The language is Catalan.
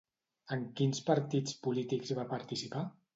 En quins partits polítics va participar?